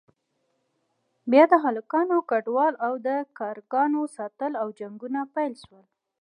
بيا د هلکانو گډول او د کرکانو ساتل او جنگول پيل سول.